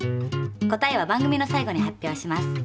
答えは番組の最後に発表します。